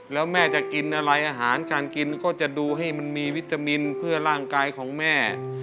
แล้วแม่จะกินอะไรอาหารการกินก็จะดูให้มันมีวิตามินเพื่อร่างกายของแม่